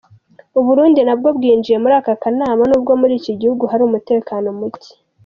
U Burundi nabwo bwinjiye muri aka kanama nubwo muri iki gihugu hari umutekano muke.